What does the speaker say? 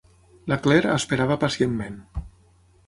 La Claire esperava pacientment.